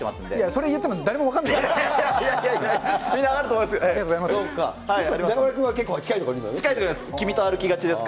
それ言っても、誰も分かんないです。